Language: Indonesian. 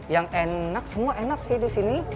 yang enak semua enak sih di sini